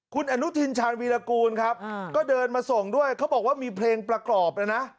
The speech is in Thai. คุณอนุทินชาญวีรกูลครับก็เดินมาส่งด้วยเขาบอกว่ามีเพลงประกอบเลยนะ